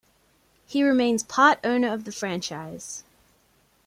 He remains part-owner of the franchise.